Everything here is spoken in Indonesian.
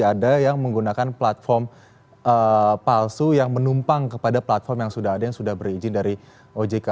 ada yang menggunakan platform palsu yang menumpang kepada platform yang sudah ada yang sudah berizin dari ojk